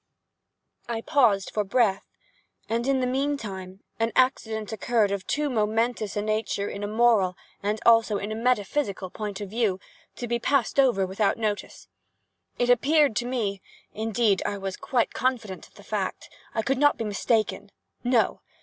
I paused for breath; and, in the meantime, an accident occurred of too momentous a nature in a moral, and also in a metaphysical point of view, to be passed over without notice. It appeared to me—indeed I was quite confident of the fact—I could not be mistaken—no!